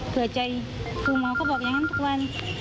เผื่อใจคุณหมอก็บอกอย่างนั้นทุกวัน